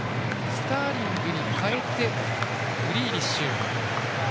スターリングに代えてグリーリッシュ。